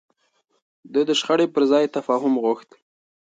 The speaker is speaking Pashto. ده د شخړې پر ځای تفاهم غوښت.